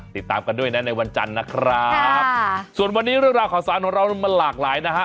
ติดตามกันด้วยนะในวันจันทร์นะครับค่ะส่วนวันนี้เรื่องราวข่าวสารของเรามันหลากหลายนะฮะ